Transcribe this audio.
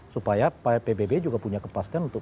supaya pbb juga punya kepastian untuk